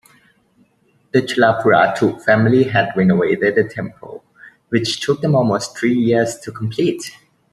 The Chalapurathu family had renovated the temple, which took almost three years to complete.